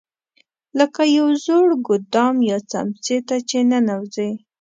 لکه یو زوړ ګودام یا څمڅې ته چې ننوځې.